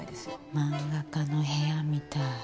漫画家の部屋みたい。